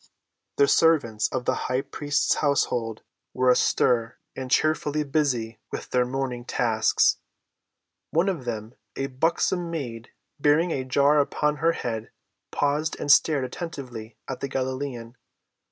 The servants of the high priest's household were astir and cheerfully busy with their morning tasks. One of them, a buxom maid bearing a jar upon her head, paused and stared attentively at the Galilean.